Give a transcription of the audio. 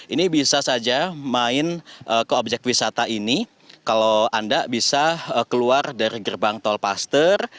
ini bisa saja main ke objek wisata ini kalau anda bisa keluar dari gerbang tolpaster